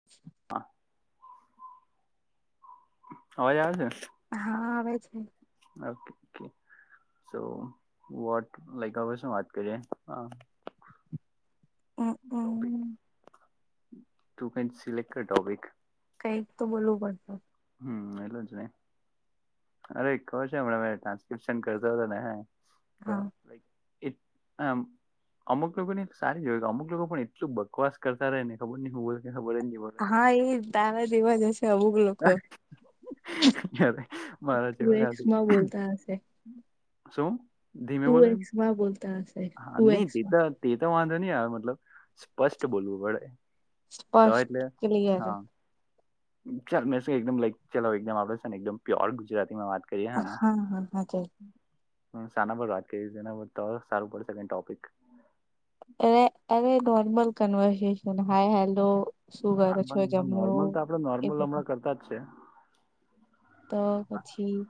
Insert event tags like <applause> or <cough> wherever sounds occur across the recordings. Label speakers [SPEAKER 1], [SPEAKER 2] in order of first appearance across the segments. [SPEAKER 1] <inaudible>
[SPEAKER 2] હા અવાજ આવશે.
[SPEAKER 1] હા આવે છે.
[SPEAKER 2] ઓકે ઓ. તો વોટ લાઈક હવે શું વાત કરીયએ હ topic
[SPEAKER 1] hmm
[SPEAKER 2] to select topic
[SPEAKER 1] કઈક તો બોલવું પડશે
[SPEAKER 2] હમ એલે જ નને, અરે કહ છે હમણાં ટ્રાન્સક્રપ્શન કરતો હતો ને હ
[SPEAKER 1] હા
[SPEAKER 2] એટ આમ. અમુક લોકો ને સારી જો કે અમુક લોકો પણ એટલું બકવાસ કરતા રહે ખર નહ હું બખબર
[SPEAKER 1] હા એ તારા જેવા હશે આવુ
[SPEAKER 2] અરે મારા
[SPEAKER 1] ટુ
[SPEAKER 2] જેવા કાથી
[SPEAKER 1] એક્સમાં બોલતા
[SPEAKER 2] શું.
[SPEAKER 1] તું એક્સ માં બોલતા હશે. ટુ
[SPEAKER 2] ની તે
[SPEAKER 1] એક્સમાં
[SPEAKER 2] તો તે તો વાંધો ની આવે મતલબ સ્પષ્ટ બોલવું પડે તો
[SPEAKER 1] સ્પષ્ટ
[SPEAKER 2] એટલે
[SPEAKER 1] ક્લિયર
[SPEAKER 2] હા ચાલ મેસે એકદમ લાઇક ચલાવ એકદમ આપડે સેને એકદમ પ્યોર ગુજરાતીમાં વાત <unintelligible> આને
[SPEAKER 1] હા હા હાચે
[SPEAKER 2] સાના પર રાખ સારું પડશે ટોપિક
[SPEAKER 1] અરે અરે નોર્મલ કવર્ન હાય હેલો શું કર છો જમ એ બધું
[SPEAKER 2] કરતાજ છે.
[SPEAKER 1] તો હછી,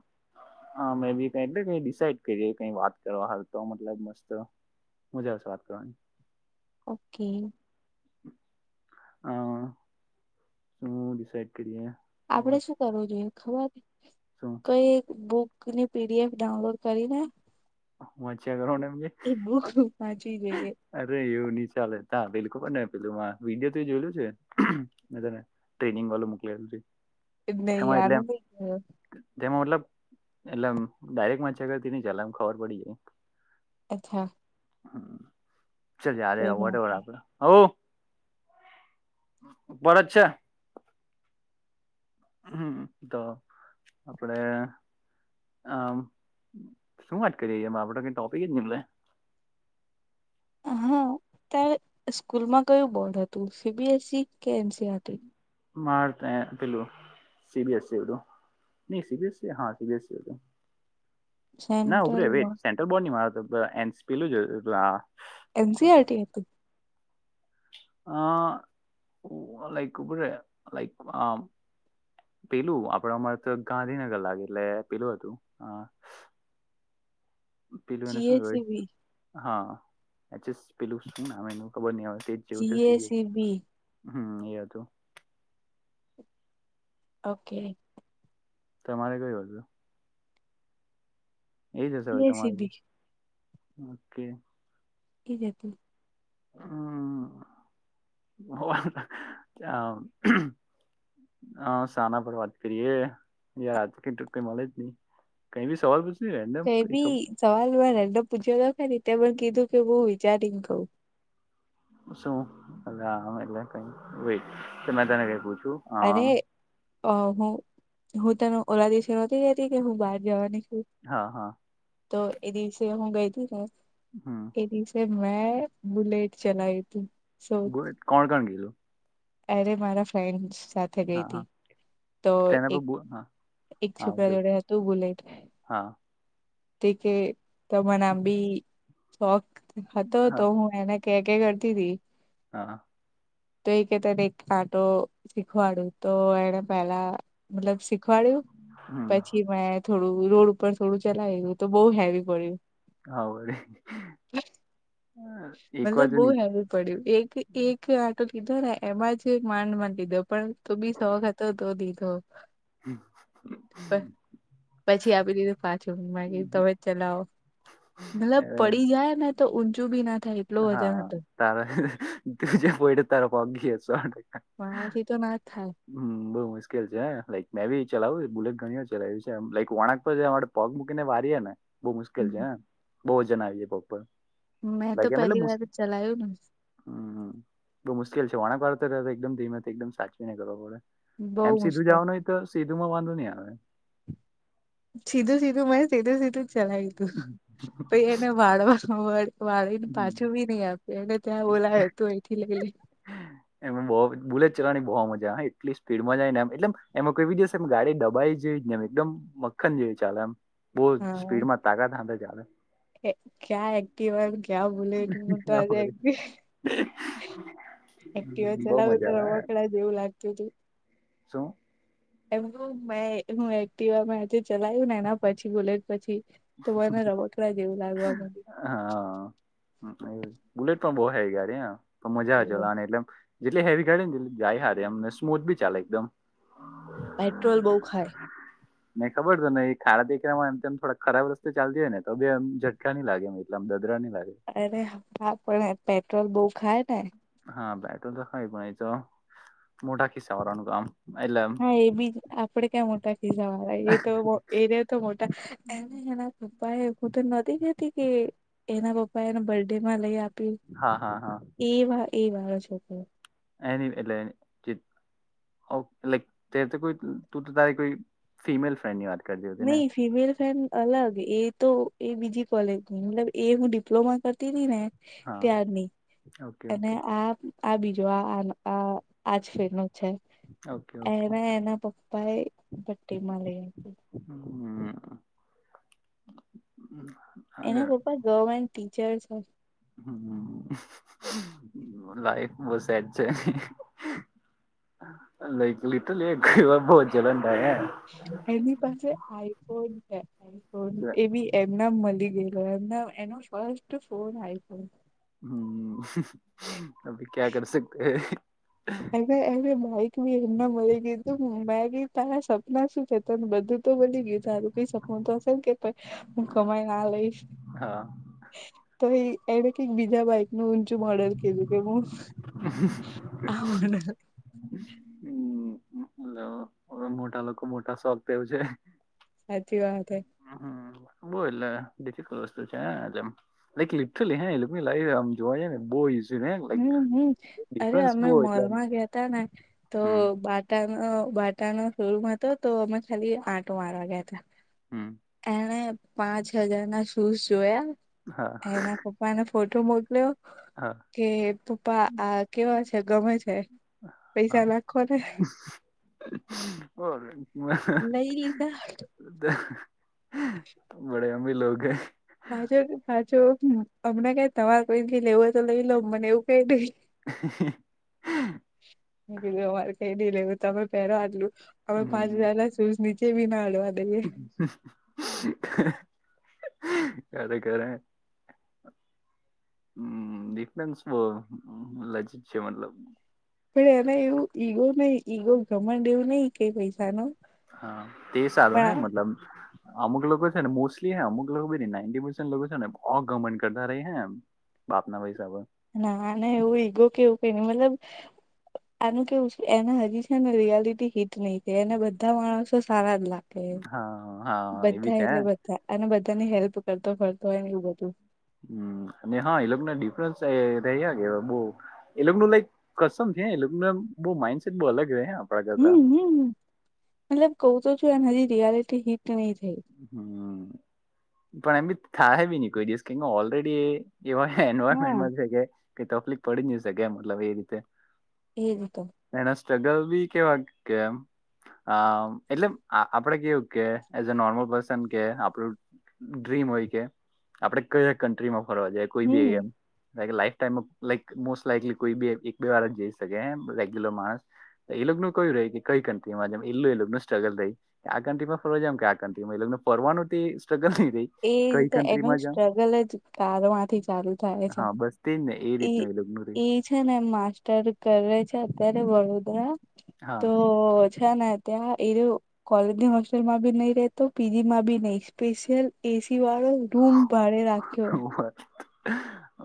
[SPEAKER 2] હા મે બી કઈ એટલે ડિસડ કરી કઈ વાત કરવા હાલ તો મતલબ મસ્ત મજા આવશે વાત કરવાની.
[SPEAKER 1] ઓકે.
[SPEAKER 2] હા શુંિસઇડ કરીએ.
[SPEAKER 1] આપડે શું કરવું જોઈએ ખબર
[SPEAKER 2] સો.
[SPEAKER 1] કઈ બુકની પીડીએફ ડાઉનલોડ કરી ને
[SPEAKER 2] હુંચ્યા કરનેમ
[SPEAKER 1] એ બહુ ખ વાંચી ગઈ.
[SPEAKER 2] અરે એવું ની ચાલે તા <unintelligible> વિડીયો તે જોયલું છે. મેં તને ટ્રેનિંગ વાલુ મોકલાયેલું છે.
[SPEAKER 1] નઈ
[SPEAKER 2] તેમાં એટલે
[SPEAKER 1] આનું નઇ <unintelligible>
[SPEAKER 2] તેમાં મતલબ એટલે એમ ડાયરેક્ટમાંચ્યા કરતી ની ચાલે એમ ખબર પડી જાય.
[SPEAKER 1] અચ્છા.
[SPEAKER 2] ચલ, જાવાદે
[SPEAKER 1] કોઈ વાત
[SPEAKER 2] <unintelligible>
[SPEAKER 1] નહી.
[SPEAKER 2] આપડા અહો! બર જ છે. હમમ! તો આપડે આમ શું વાત કરીએ? એમાં આપડે કઈ ટોપિક જ ની મ્લે
[SPEAKER 1] હા, ત્યારે સ્કૂલમાં કયું બોર્ડ હતું સીબીએસઇ કે એનસીઆર
[SPEAKER 2] મારતે પેલું સી બી એસી હતું. ની સી બી એસી હા, સી બીએ સી હતું. ના ઉભરે
[SPEAKER 1] સેન્ટ્રલ
[SPEAKER 2] વેટ
[SPEAKER 1] બોર્ડ
[SPEAKER 2] સેન્ટ્રલ બોર્ડની મારે તો એનસ પેલું જ તું આ આ.
[SPEAKER 1] એન સી આર ટી એ <unintelligible>
[SPEAKER 2] અ ઉ લાઈક ઉભો રે લાઈક આ પેલું આપણા માં તો ગાંધીનગર લાગે એટલે પેલું હતું. અ પેલું એને શું કેવાય?
[SPEAKER 1] જીએસીબી
[SPEAKER 2] હા <unintelligible> ચસ પેલું શું નામ એનું ખબર ની હવે તે. કેવું છે સિરિયલ
[SPEAKER 1] જીએસીબી
[SPEAKER 2] હમ એ હતું.
[SPEAKER 1] ઓકે!
[SPEAKER 2] તમારે કયું હતું? એ જ હશેર વડી તમારે
[SPEAKER 1] જીએસીબી
[SPEAKER 2] બી ઓકે.
[SPEAKER 1] એ જ હતું.
[SPEAKER 2] હમ હ હા, સાના પર વાત કરીયે, યાર <unintelligible> કઈ મલે જ ની. કઈ બી સવાલ પૂછ.
[SPEAKER 1] તો એ બી સવાલ હોય ને પૂછ્યો <unintelligible> પણ કીધું કે હું વિચારીને કઉ.
[SPEAKER 2] શુ <unintelligible> એમ એટલે કંઈ વેઇટ મે તને કઇ પુંછું.
[SPEAKER 1] અરે? અ હું-હું તને ઓલા દિવસે નતી જતી કે હું બહાર જવાની છું.
[SPEAKER 2] હા! હા!
[SPEAKER 1] તો એ દિવસે હું ગઈ હતી ને.
[SPEAKER 2] હમ!
[SPEAKER 1] એ ડીવસે મેં બુલેટ ચલાયુ તું.
[SPEAKER 2] કોણ-કોણ ગેલુ?
[SPEAKER 1] અરે મારા ફ્રેન્ડસ.
[SPEAKER 2] હા હા ચના
[SPEAKER 1] એક
[SPEAKER 2] હા
[SPEAKER 1] એક
[SPEAKER 2] હા
[SPEAKER 1] છોકરા
[SPEAKER 2] ઓકે ઓ.
[SPEAKER 1] જોડે હતું બુલેટ
[SPEAKER 2] હા!
[SPEAKER 1] તે કે ત મને આમ બી શોખ હતો તો
[SPEAKER 2] હા
[SPEAKER 1] હું એને કે- કે કરતી તી.
[SPEAKER 2] હા
[SPEAKER 1] તો એ કે તને એક આટો શીખવાડુ તો એને પેલા મતલબ શીખવાડ્યું.
[SPEAKER 2] હમ
[SPEAKER 1] પછી મેં થોડું રોડ ઉપર થોડું ચ લાયવું તો બઉ હેવી પડયુ.
[SPEAKER 2] આ વડી
[SPEAKER 1] મતલબ બહુ
[SPEAKER 2] ની
[SPEAKER 1] હેવી પડ્યું એક-એક આઠ. તો કીધું ને એમાં જ માંડ માંડ લીધો પણ તો બી શોખ તો-તો દીધો.
[SPEAKER 2] હમ.
[SPEAKER 1] પછી આપી દીધું પાછું બાકી તમે ચલાવો. મતલબ પડી જાય ને તો ઊંચું બી ના થાય. એટલો વજન
[SPEAKER 2] હા
[SPEAKER 1] હતો
[SPEAKER 2] તારા તજ બઈટ તારા પગ ઘીસ.
[SPEAKER 1] માણા થી તો ના જ થાય.
[SPEAKER 2] હમ બઉુ મુશ્કેલ છે લક મે બી ચલાવ બુલેટ ઘણી ચલાવય્યું છે લાઈક વણાક પર. પગ મૂકીને વારીએે ને બહુ મુશ્કેલ છે હને બહુ વજન આવીે પગ પર.
[SPEAKER 1] મેં તો
[SPEAKER 2] લાઈક એમ એટલે
[SPEAKER 1] પહેલી
[SPEAKER 2] મુશ-
[SPEAKER 1] વાર ચલાયું ને.
[SPEAKER 2] હમ બહુ મુશ્કેલ છે વણાંક વાર તો એકદમ ધીમેથી એકદમ સાચવીને કરો પડે.
[SPEAKER 1] બહુ
[SPEAKER 2] એમ સીધું
[SPEAKER 1] મુશ્કેલ
[SPEAKER 2] જવાનું હોય તો સીધું માં વાંધો નહીિ આવે.
[SPEAKER 1] સીધું સીધું મેને સીધું સીધું ચલાય્યું તું પી એને વાળવા ન મળે. વાળીને
[SPEAKER 2] હમ.
[SPEAKER 1] પાછું બી નઈ આપે એને ત્યાં બોલાય તું એથી લઈ લે.
[SPEAKER 2] હા. એમાં બહુ બુલેટ ચલાવાની બહુ મજા હ એટલી સ્પીડમાં જાય ને એમ એટલે એમાંવીી જશે એમ ગાડી દબાઈ જઈ. જેમ એકદમ મક્્ખન જેવી ચાલે એમ બહુ
[SPEAKER 1] હા
[SPEAKER 2] સ્પીડમાં તાકા થાંધા ચાલે.
[SPEAKER 1] ક્યાં એક્ટિવ ક્યાં ભોલે એટું તો આજે એક્ટ. એક્ટિવા
[SPEAKER 2] બહુ
[SPEAKER 1] ચલાવું તો
[SPEAKER 2] મજા
[SPEAKER 1] રવાકડા જેવું લાગતું હતું.
[SPEAKER 2] સું?
[SPEAKER 1] એમ ક મે હું એક્ટવા ચલાયું ને એના પછી બુલેટ પછી. તો મને રબોટલા જેવું લાગવા મ
[SPEAKER 2] હા બુલેટ પણ બે હેવી ગાડી મજા
[SPEAKER 1] માંડ્યું
[SPEAKER 2] ચલાવાની જેટલે હેવી ગાડી ને એટ જાય હારી એમને સ્મૂથ બી ચાલે એકદમ.
[SPEAKER 1] પેટ્રોલ બઉ ખાય.
[SPEAKER 2] મેને ખબર છે ને એ ખારા દીકરામાં થોડા ખરાબ રસ્તે ચાલ જાય ને તો એમઝટકા નહી લાગે. લમ દાદરાની લાગે.
[SPEAKER 1] અરે હા પણ પેટ્રોલ બહુ ખાય ને.
[SPEAKER 2] હા પેટ્રોલ તો ખાઈ પણ એતો મોટા ખિસા વારાનું કામ. એટલે
[SPEAKER 1] હા એ બીજ આપડે ક્યાં મોટા થીશ મારા એ તો. એને તો મોટા એને એના પપ્પા એ હું તો નદીતી કે એના પપ્પા એને બર્થ ડેમાં લઈ આપી
[SPEAKER 2] હા હા હા
[SPEAKER 1] એ વા એ વાળો છોકરો.
[SPEAKER 2] આની એ. ઓકે લક તે કોઈ તું તો તારી કોઈ ફિમેલ ફ્રેન્ડની વાત કરતી હતી ને
[SPEAKER 1] નહી ફિમેલ ફેન અલગ એ તો એ બીજી કોલેજની મતલબ એ હું ડિપ્લોમા કરતી હતી ને.
[SPEAKER 2] હા
[SPEAKER 1] ત્યારની
[SPEAKER 2] ઓકે
[SPEAKER 1] અને
[SPEAKER 2] ઓકે
[SPEAKER 1] આ આ બીજો આ આજ ફીનું છે
[SPEAKER 2] ઓકે ઓકે
[SPEAKER 1] એના એના પપ્પા એ બર્થડે માં લઈ હતી
[SPEAKER 2] હમ આગળ
[SPEAKER 1] એના પપ્પા ગવર્મેન્ટ ટીચર્સ છે.
[SPEAKER 2] હ લાઈફ બહ સેટ છે લાઈક લિટલી એકયવા બહજ જલન
[SPEAKER 1] એની પાસે આઈફોન છે આઈફોન એ બી એમના મળી ગઈ એનો ફસ્ટ ફોન આ
[SPEAKER 2] હમ અભી ક્યા કર સકતે હૈ.
[SPEAKER 1] હ બાઈક બી એમના મળી ગય તું મેક તારા સપના શું તને બધું તો બની ગયું તારું કઈ સપનું તો હશે ને કે. હું કમાઈ ન આ લઈશ.
[SPEAKER 2] હા
[SPEAKER 1] તો એ એણે કઈક બીજા બાઈક નું ઊંચું મોડલ કીધું કે હું. આ મોડલ
[SPEAKER 2] હમ. તો મોટા લોકો મોટા શોખ તેવું છે.
[SPEAKER 1] હાચી વાત હે.
[SPEAKER 2] બ એટલે વસ્તુ છે એટમ- લ લટલી હે એ લ આમ જોવાઈ ને બહુ ઈઝી લાઈક
[SPEAKER 1] હમ હમ અરે
[SPEAKER 2] ડિફરન્સ
[SPEAKER 1] અમે
[SPEAKER 2] બહુ એટલે આમ
[SPEAKER 1] મોલમાં ગયાતા ને તો
[SPEAKER 2] હમ
[SPEAKER 1] બા બાટાનો શોરૂમ હતો તો અમે ખાલી આટો મારવા ગ્યા હતા
[SPEAKER 2] હમ
[SPEAKER 1] એ પાંચ હજાર ના શૂઝ જોયા
[SPEAKER 2] હા
[SPEAKER 1] એના પપ્પાને ફોટો મોકલ્યો.
[SPEAKER 2] હા
[SPEAKER 1] કે પપ્પા આ કેવા છે ગમે છે પૈસા નાખો ને
[SPEAKER 2] <inaudible> તો
[SPEAKER 1] લઈ લીધા
[SPEAKER 2] બડે અંભી લોકો હ
[SPEAKER 1] પાછો પાછો હમણાં કઈ તમાર કોઈથી લેવોય તો લઈ લો મને એવું કઈ નઈ
[SPEAKER 2] હ
[SPEAKER 1] બીધું અરે કઈ નઈ લેવું તોમે પેલા આટલું અમે પાંચ હજાર ના- શસ નીચે ભી ના અડવા દઈએે
[SPEAKER 2] અરે ખરે હમફન્સ બ લજીિત છે મતલબ
[SPEAKER 1] પ એના એું ઈગો નઈ ઈગો ગમણડેવું નહ કઈ પૈસા ન
[SPEAKER 2] હા તે સારું
[SPEAKER 1] પણ
[SPEAKER 2] <inaudible> અમુક લોકો છે ને મોસ્ટલી હે અમુક લોકો ભી નાઈ નાઈનટી પરસન લોકો છે ને બવ ઘમન કરતા ર હે બાપના પૈસા પર
[SPEAKER 1] ના ના એવું ઈગો કેવું ક ન મતલબ
[SPEAKER 2] <inaudible>
[SPEAKER 1] આનું કેવું છે એના હજી છેને રિયાલિટી હિટ નહી થ એને બધા માણસો સારા જ લાગે.
[SPEAKER 2] હા હા એ બી
[SPEAKER 1] બધા
[SPEAKER 2] છે
[SPEAKER 1] એટલે બધા અને બધાની હેલ્પ કરતો ફરતો હોય ને એવું બધું.
[SPEAKER 2] હમ અને હા એ લોકોને ડિફરન્સ એ રહ્યા કે બહ એ લોકો ન લાઈક કસમ છે એ લોકોને બ માઇન્ડસેટ બહ અલગ રહે આપણા કરતા
[SPEAKER 1] હમ હમ મતલબ કહું તો છું એને હજી રિયાલિટી હિટ નહી થઈ.
[SPEAKER 2] હમ પણ એમ બી થાય બી નહી કોઈ દિવસ કે ઓલરેડી એ એવાય
[SPEAKER 1] હા
[SPEAKER 2] એન્વાયરમેન્ટમાં છે તકલીફ પડી ન છે મતલબ એ રીતે
[SPEAKER 1] એ તો
[SPEAKER 2] એના સ્ટ્રગલ બી કેવા કે એટલે આપડે કેવું કે એઝ અ નોર્મલ પર્સન કે આપણું ડ્રીમ હોય કે આપડે કયા કન્ટ્રીમાં ફરવા જાયએ. કોઈ ભી
[SPEAKER 1] હમ
[SPEAKER 2] હ એમ લાઈફ ટાઈ લક મોસ્ટ લાઈકલી કોઈી એક બે વાર જઈ શકે રેગ્યુલર માણસ એ લોકો નું કયું રહી કે કઈ કંટટીમાં એું એું સ્ટ્રગલ રહી આ કંટટીમાં ફર ક્યાં નથીગને ફરવાનું સ્ટ્રગલ નથી થ
[SPEAKER 1] એ તો એનું સ્ટ્રગલ જ કારમાંથી ચાલુ થાય છે
[SPEAKER 2] હા બસ તેજ ને
[SPEAKER 1] એ એ
[SPEAKER 2] <inaudible>
[SPEAKER 1] છે ને માસ્ટર કરે છે અત્યારે વડોદરા
[SPEAKER 2] હા
[SPEAKER 1] તો ઓહ ચનત્યા એ કોલેજની હોસ્ટેલમાં બી નહી રહેતો પીજી માં બી નઈ સ્પેશિયલ એસી વાળો રૂમ ભડે રાખે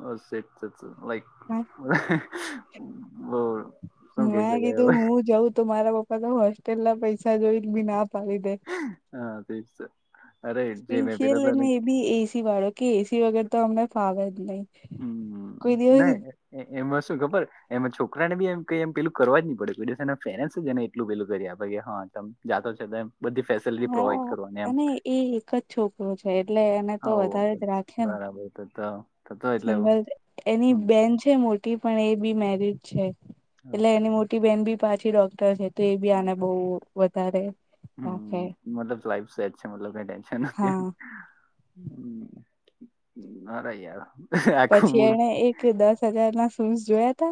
[SPEAKER 2] વા સટ લાઈક
[SPEAKER 1] હમ <inaudible>
[SPEAKER 2] <inaudible>
[SPEAKER 1] મેં
[SPEAKER 2] શકાય
[SPEAKER 1] કીધું
[SPEAKER 2] હવે
[SPEAKER 1] હું જઉં તોું મારા પપ્પા તો હોસ્ટેલ ના પૈ જોઈ બી ના પાડી દે
[SPEAKER 2] હા તે જ છે. અરે જે મેં પેલા તને
[SPEAKER 1] ખને બી એસી વાળો કે એસી વગેર તો અમને ફાવે જ નહી.
[SPEAKER 2] હમ
[SPEAKER 1] કોઈ દિવસ
[SPEAKER 2] નહી એમાં શું ખબર એમાં છોકરા ને બી એ ક એમ પેલું કરવા જ નહી પડ્યુંના પેરેન્ટસ જને એટલું પેલું કરી આપે હમ જાતો છે તેમમ બધી ફેસ
[SPEAKER 1] હા અને એ એક જ છોકરો છે એટલે એને તો
[SPEAKER 2] આવો
[SPEAKER 1] વધારે જ
[SPEAKER 2] તો
[SPEAKER 1] રાખે ને
[SPEAKER 2] <inaudible>
[SPEAKER 1] સિંગલ એની
[SPEAKER 2] હમ
[SPEAKER 1] બેન છે મોટી પણ એ બી મેરજ છે. એટલે
[SPEAKER 2] ઓકે
[SPEAKER 1] એની મોટી બેહેન બી પાછી ડોક્ટર જ હતી એ બી આને બહુ વધારે રાખે
[SPEAKER 2] હમ મતલબ લાઈફ અચછતલબ કઈ ટેન્શન નથી.
[SPEAKER 1] હા
[SPEAKER 2] હમ મરાયા
[SPEAKER 1] પછી એને એક દસ હજાર ના શૂઝ જોયા ત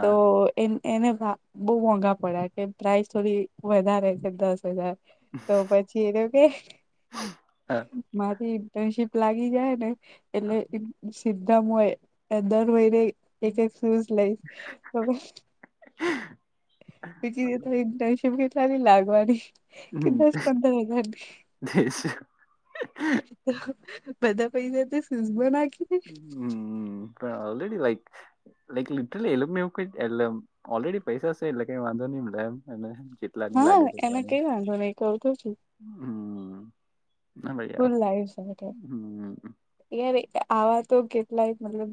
[SPEAKER 1] તો એ એને બહુ મોંઘા પડ્યા કે પ્રાઇસ થોડી વધારે છે દસ હજાર તો પછી એ તો કે
[SPEAKER 2] હા
[SPEAKER 1] મારી ઇન્ટર્નશીપ લાગી જાય ને એટલે સીધામ હોય એ દર વયને એક એક શુંઝ લઈશ તો બીજી ઇન્ટરસિપ ક્યારે લાગવાની કે
[SPEAKER 2] હમ
[SPEAKER 1] દસ પંદર
[SPEAKER 2] તે <unintelligible>
[SPEAKER 1] બધા પૈસા તો સુઝમાં નાખીદે
[SPEAKER 2] હમ પણ ઓલરેડી રાઈટ. <unintelligible> ઓલરેડી પૈસા એટલે કઈ વાંધો નહી <inaudible>
[SPEAKER 1] હા એને કઈ વાંધો નઈ કવતો છું.
[SPEAKER 2] હમ ભલેયા
[SPEAKER 1] ફૂલ લાઈવ સાથે
[SPEAKER 2] હમ
[SPEAKER 1] યાર આવા તો કેટલાય મતલબ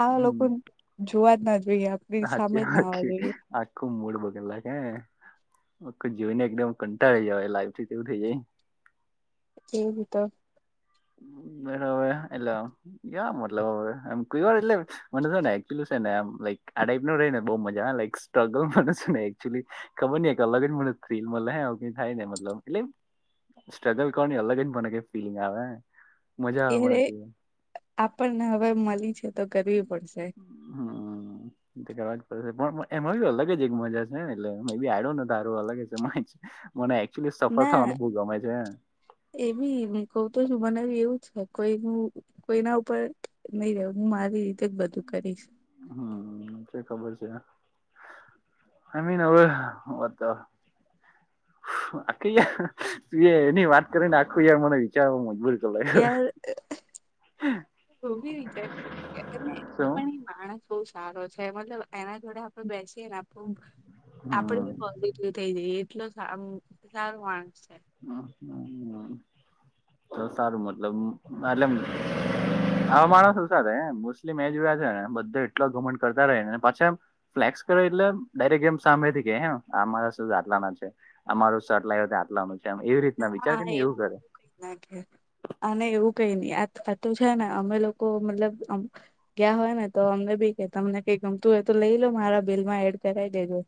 [SPEAKER 1] આવા
[SPEAKER 2] હમ
[SPEAKER 1] લોકો જોવા જ ના જોઈએ આપ.
[SPEAKER 2] સાચી વાત છે આખું મૂળ બદલનાખે. જોઈ ને એકદમ કંટાળ જવા લાઈફ થી એવું થઇ જાય.
[SPEAKER 1] <unintelligible>
[SPEAKER 2] બરાબવે એટલે ગયા મતલબ હવે એમ ક વાર એટલે- મને શ ને એકચુલી છે નેક આ ટાઈપો ર ને બહુ મજા લક સ્ટ્રગલ મને નેચુલી- ખબર નહી કાલ અલગ મુળ થઈ ગયું થાય ને મતલબ એટલ- સ્ટ્રગલ <unintelligible> ફીલીગ આવેે-
[SPEAKER 1] ત્યારે આપણને હવે મળી છે તો કરવી પડશે-
[SPEAKER 2] હમ <unintelligible> કરવા જ પડે પણ એમાં બ અલગ જ એક મજા છે ને એટલે બી આડ્યો તારો અલગ જ છેજ- મને એકચુલી સફર થવાનું બહુ ગમે છે.
[SPEAKER 1] એવી રીતે મને કઉ તો છું બનાવી એવું છે કોઈ ન- કોઈના ઉપર નહી રહું મારી રીતે જ બધું કરીશ-
[SPEAKER 2] હમ ખબર છે આમીન હવે વાતા- આખી યારું એની વાત કરીને આખું યાર મને વિચારવા મજબૂર કરી લાગ્યો
[SPEAKER 1] કયારે વિચ
[SPEAKER 2] શું
[SPEAKER 1] <inaudible> માણસ બહ સારો છે મતલબ એના જોડે આપડે બેસીએ ને આપ આપડે
[SPEAKER 2] હમ
[SPEAKER 1] બી પો એ થઇ જાય એટલે સારો માણસ છે.
[SPEAKER 2] તો સારું મતલબ મતલ આવા માણસ શું સાથે મુસ્લિમ એરિયો છે ને બધો એટલો ઘુમટ કરતા રહી પાછા એમ- ફ્લેક્સ કરો એટલે ડાયરેક્ટ એમ સામેથી કે હે આ માણસ આટલામાં જ છે. અમારું સટ લય તો આટલાનું છે એવી રીતના વિચાર
[SPEAKER 1] હા
[SPEAKER 2] કે ને એવું કરે-
[SPEAKER 1] બધું કઈ અને એવું કઈ નઈ આ આતું છે ને અમે લોકો મતલબ- ગયાં હોય ને તો અમને ભી કે તમને કઈ ગમ તું એ તો લઈ લો મારા બિલ માં એડ કરાવી દેજો-